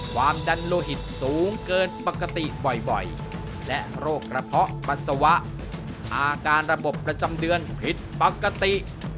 ความดันโลหิตสูงเกินปกติบ่อยและโรคกระเพาะปัสสาวะอาการระบบประจำเดือนผิดปกติ